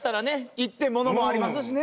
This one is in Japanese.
一点ものもありますしね。